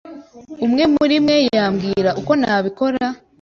Umwe muri mwe yambwira uko nabikora?